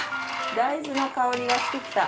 大豆の香りがしてきた。